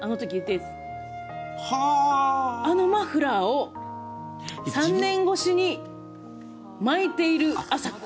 あのマフラーを３年越しに巻いている亜沙子。